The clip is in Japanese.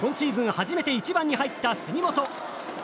初めて１番に入った杉本。